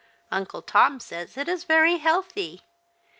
Uncle Tom says it is very healthy.